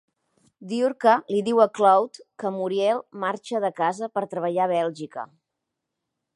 Diurka li diu a Claude que Muriel marxa de casa per treballar a Bèlgica.